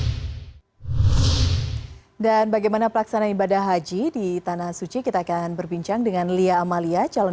hai dan bagaimana pelaksanaan ibadah haji di tanah suci kita akan berbincang dengan lia amalia calon